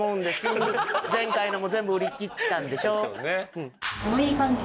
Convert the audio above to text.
前回のも全部売り切ったんでしょ？